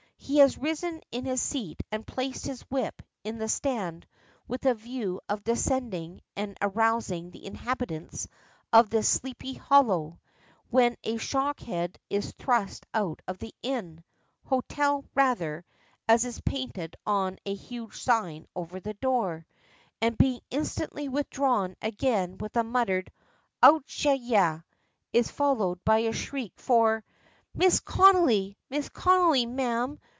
He has risen in his seat and placed his whip in the stand with a view of descending and arousing the inhabitants of this Sleepy Hollow, when a shock head is thrust out of the inn ("hotel," rather, as is painted on a huge sign over the door) and being instantly withdrawn again with a muttered "Och a yea," is followed by a shriek for: "Mrs. Connolly Mrs. Connolly, ma'am!